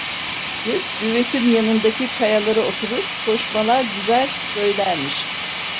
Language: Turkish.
Gök Büvet'in yanındaki kayalara oturur, koşmalar düzer söylermiş.